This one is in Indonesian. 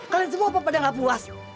kalian semua pada gak puas